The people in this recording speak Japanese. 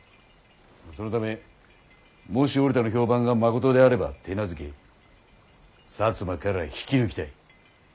そのためもし折田の評判がまことであれば手なずけ摩から引き抜きたい。